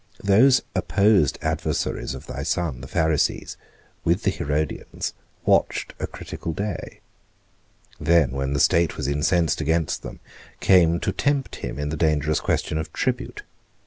Those opposed adversaries of thy Son, the Pharisees, with the Herodians, watched a critical day; then when the state was incensed against him, came to tempt him in the dangerous question of tribute.